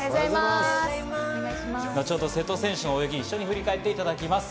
後ほど、瀬戸選手の泳ぎを一緒に振り返っていただきます。